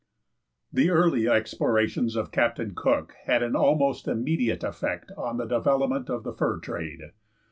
_ The early explorations of Captain Cook had an almost immediate effect on the development of the fur trade.